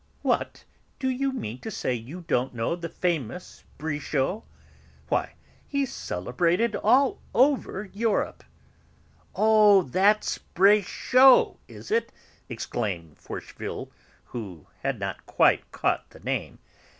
"What! Do you mean to say you don't know the famous Brichot? Why, he's celebrated all over Europe." "Oh, that's Bréchot, is it?" exclaimed Forcheville, who had not quite caught the name.